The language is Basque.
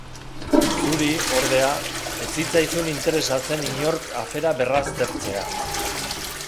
Zuri, ordea, ez zitzaizun interesatzen inork afera berraztertzea.